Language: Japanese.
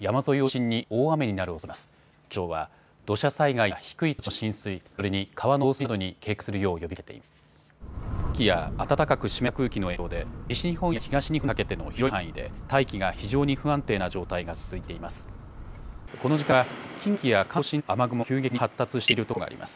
上空の寒気や暖かく湿った空気の影響で西日本や東日本にかけての広い範囲で大気が非常に不安定な状態が続いています。